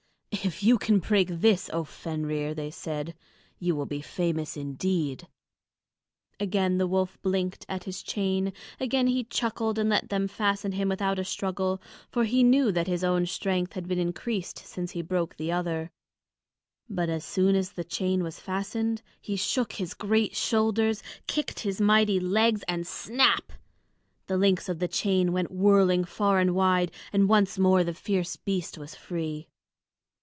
"If you can break this, O Fenrir," they said, "you will be famous indeed." Again the wolf blinked at his chain; again he chuckled and let them fasten him without a struggle, for he knew that his own strength had been increased since he broke the other; but as soon as the chain was fastened, he shook his great shoulders, kicked his mighty legs, and snap! the links of the chain went whirling far and wide, and once more the fierce beast was free.